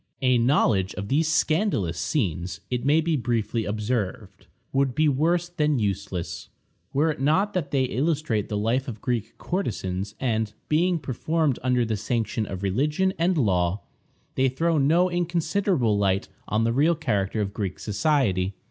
A knowledge of these scandalous scenes, it may be briefly observed, would be worse than useless, were it not that they illustrate the life of Greek courtesans; and, being performed under the sanction of religion and the law, they throw no inconsiderable light on the real character of Greek society.